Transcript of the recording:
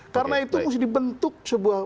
karena itu mesti dibentuk sebuah